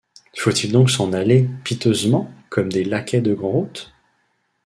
Faut-il donc s’en aller piteusement comme des laquais de grand’route ?.